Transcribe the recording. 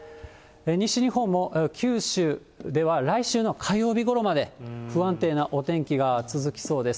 西日本も九州では来週の火曜日ごろまで、不安定なお天気が続きそうです。